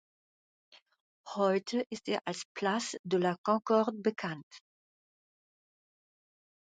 Heute ist er als Place de la Concorde bekannt.